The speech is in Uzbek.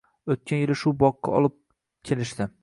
O’tgan yil shu boqqa olib kelishdi